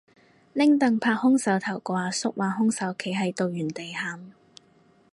拎櫈拍兇手頭個阿叔話兇手企喺度原地喊